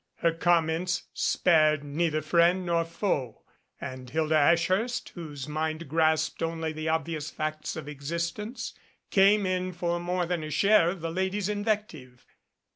Her comments spared neither friend nor foe and Hilda Ash hurst, whose mind grasped only the obvious facts of ex istence, came in for more than a share of the lady's invective.